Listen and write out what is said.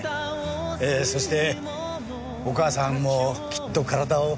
そしてお母さんもきっと体を。